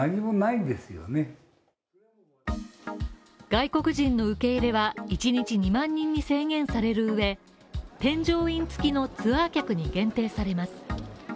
外国人の受け入れは１日２万人に制限される上、添乗員付きのツアー客に限定されます。